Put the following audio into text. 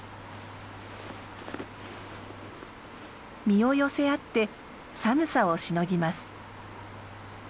身を寄せ合って寒さをしのぎます。